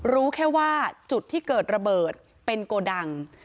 รู้แค่ว่าจุดที่เกิดระเบิดเป็นโกดัง